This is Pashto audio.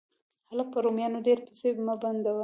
هلکه، په رومیانو ډېرې پیسې مه بندوه.